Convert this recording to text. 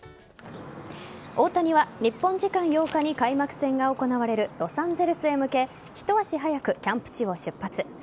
大谷は日本時間８日に開幕戦が行われるロサンゼルスへ向けひと足早くキャンプ地を出発。